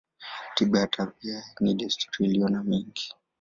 Tiba ya tabia ni desturi iliyo na mengi.